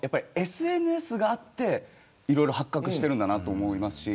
ただ、ＳＮＳがあって、いろいろ発覚しているんだなと思います。